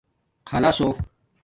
خلَص ہݸ